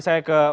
saya ke pak